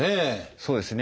そうですね。